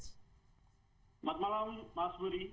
selamat malam mas buri